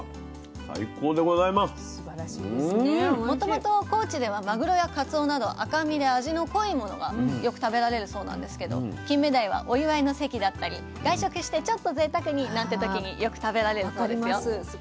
もともと高知ではマグロやカツオなど赤身で味の濃いものがよく食べられるそうなんですけどキンメダイはお祝いの席だったり外食してちょっとぜいたくになんて時によく食べられるそうですよ。